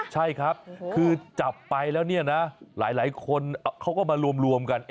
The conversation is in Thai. ใช่ครับคือจับไปแล้วเนี่ยนะหลายคนเขาก็มารวมกัน